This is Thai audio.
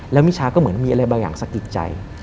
แล้วมิชาก็เหมือนมีอะไรบางอย่างสะกิดใจ